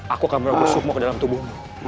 aku akan merugus sukmu ke dalam tubuhmu